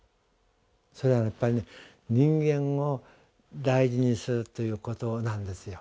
それはやっぱり人間を大事にするということなんですよ。